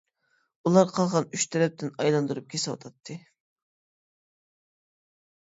ئۇلار قالغان ئۈچ تەرەپتىن ئايلاندۇرۇپ كېسىۋاتاتتى.